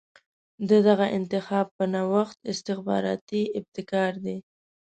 د دغه انتخاب په نوښت استخباراتي ابتکار دی.